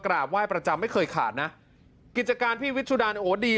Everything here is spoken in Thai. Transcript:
กราบไหว้ประจำไม่เคยขาดนะกิจการพี่วิชุดานโอ้ดี